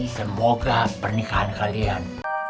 semoga pernikahan kalian